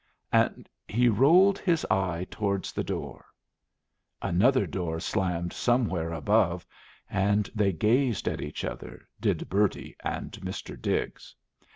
And he rolled his eye towards the door. Another door slammed somewhere above, and they gazed at each other, did Bertie and Mr. Diggs.